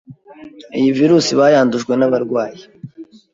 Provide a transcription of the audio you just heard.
iyi virus bayandujwe nabarwayi